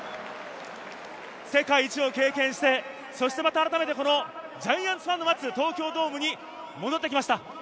世界一を経験して、そして改めてジャイアンツファンの待つ東京ドームに戻ってきました。